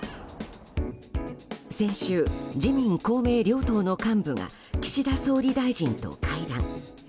先週、自民・公明両党の幹部が岸田総理大臣と会談。